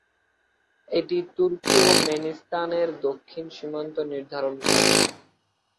এটি তুর্কমেনিস্তানের দক্ষিণ সীমান্ত নির্ধারণ করে।